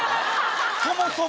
そもそも。